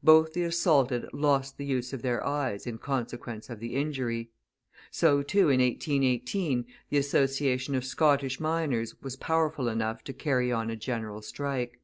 Both the assaulted lost the use of their eyes in consequence of the injury. So, too, in 1818, the association of Scottish miners was powerful enough to carry on a general strike.